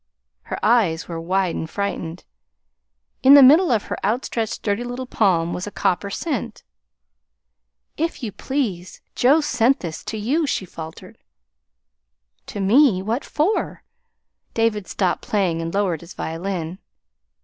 Her eyes were wide and frightened. In the middle of her outstretched dirty little palm was a copper cent. "If you please, Joe sent this to you," she faltered. "To me? What for?" David stopped playing and lowered his violin.